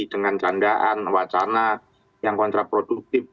dengan candaan wacana yang kontraproduktif